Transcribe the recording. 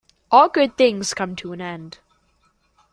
All good things come to an end.